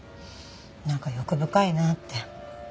なんか欲深いなって。